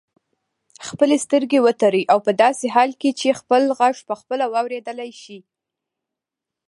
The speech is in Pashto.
خپلې سترګې وتړئ او په داسې حال کې چې خپل غږ پخپله واورېدلای شئ.